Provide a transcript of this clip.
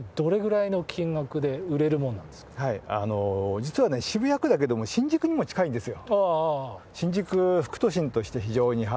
実は渋谷区だけども新宿にも近いんですよ。